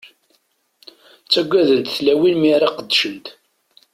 Ttaggsent tlawin mi ara qeddcent.